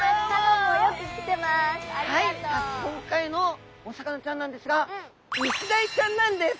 今回のお魚ちゃんなんですがイシダイちゃん！